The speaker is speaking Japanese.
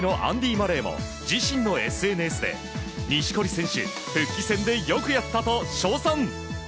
・マレーも自身のＳＮＳで錦織選手、復帰戦でよくやったと称賛。